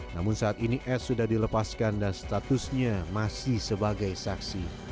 namun saat ini s sudah dilepaskan dan statusnya masih sebagai saksi